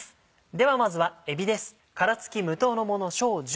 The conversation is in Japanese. ではまずはえびです。